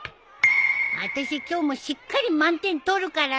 あたし今日もしっかり満点取るからね。